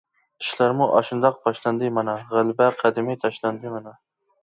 ئىشلارمۇ ئاشۇنداق باشلاندى مانا، غەلىبە قەدىمى تاشلاندى مانا.